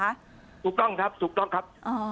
ถูกต้องครับถูกต้องครับ